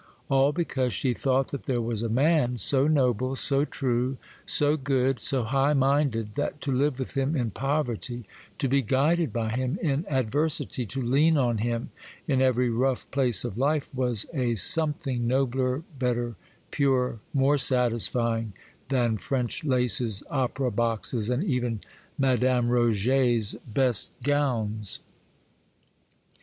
All because she thought that there was a man so noble, so true, so good, so high minded, that to live with him in poverty, to be guided by him in adversity, to lean on him in every rough place of life, was a something nobler, better, purer, more satisfying, than French laces, opera boxes, and even Madame Roget's best gowns.